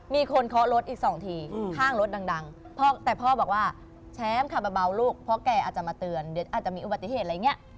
เคาะรถอีก๒ทีข้างรถดังแต่พ่อบอกว่าแชมป์ขับมาเบาลูกเพราะแกอาจจะมาเตือนเดี๋ยวอาจจะมีอุบัติเหตุอะไรอย่างนี้